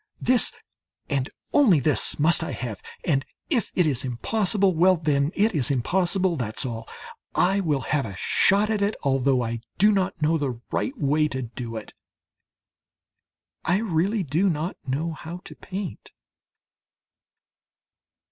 this and only this must I have, and if it is impossible, well then, it is impossible, that's all. I will have a shot at it although I do not know the right way to do it." I really do not know how I paint.